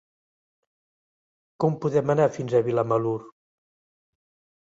Com podem anar fins a Vilamalur?